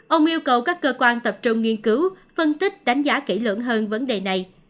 ông yêu cầu các cơ quan tập trung nghiên cứu phân tích đánh giá kỹ lưỡng hơn vấn đề này